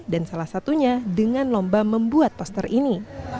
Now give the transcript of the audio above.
dan salah satunya dengan lomba membuat poster ini